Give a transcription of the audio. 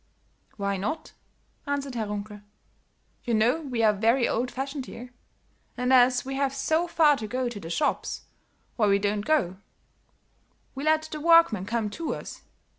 "Why not?" answered Herr Runkel. "You know we are very old fashioned here; and, as we have so far to go to the shops, why we don't go; we let the workmen come to us.